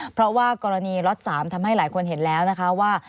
เพราะว่ากรณีล็อต๓ทำให้หลายคนเห็นแล้วนะคะว่า